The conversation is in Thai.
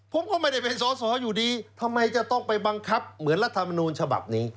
ผมก็ไม่ได้เป็นสอสออยู่ดีทำไมจะต้องไปบังคับเหมือนรัฐมนูลฉบับนี้